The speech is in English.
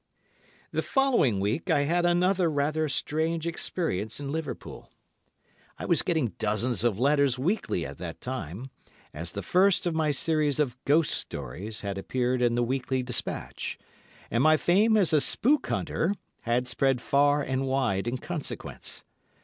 The following week I had another rather strange experience in Liverpool. I was getting dozens of letters weekly at that time, as the first of my series of ghost stories had appeared in the "Weekly Despatch," and my fame as a spook hunter had spread far and wide in consequence.